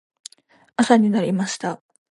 朝になりました。